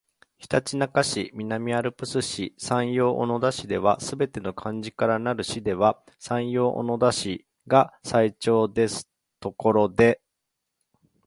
ひたちなか市、南アルプス市、山陽小野田市ですべて漢字からなる市では山陽小野田市が最長ですところで